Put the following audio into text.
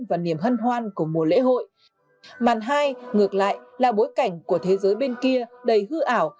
và niềm hân hoan của mùa lễ hội màn hai ngược lại là bối cảnh của thế giới bên kia đầy hư ảo